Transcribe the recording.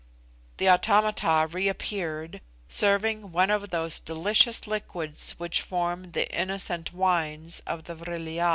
The automata reappeared, serving one of those delicious liquids which form the innocent wines of the Vril ya.